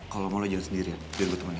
kalau mau lo jalan sendirian biar gue temenin